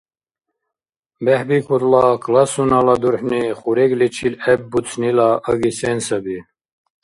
БехӀбихьудла классунала дурхӀни хурегличил гӀеббуцнила аги сен саби?